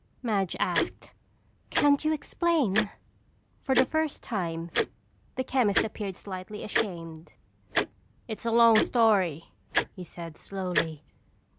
Madge asked. "Can't you explain?" For the first time, the chemist appeared slightly ashamed. "It's a long story," he said slowly.